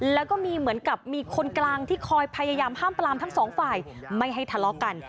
แล้วก็มีเหมือนกับมีคนกลางที่คอยพยายามห้ามปลามทั้งสองฝ่ายไม่ให้ทะเลาะกัน